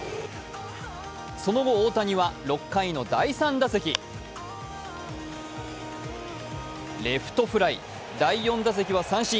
その後、大谷は６回の第３打席、レフトフライ、第４打席は三振。